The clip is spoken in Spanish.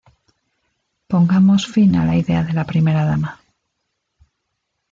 Pongamos fin a la idea de la primera dama.